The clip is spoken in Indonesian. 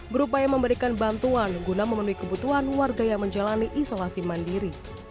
berupaya memberikan bantuan guna memenuhi kebutuhan warga yang menjalani isolasi mandiri